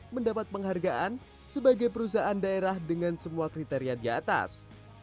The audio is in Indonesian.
mendapat penghargaan sebagai perusahaan daerah dengan semua kriteria di atas